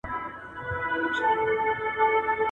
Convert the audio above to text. د پسونو ساتنه هغسي کوي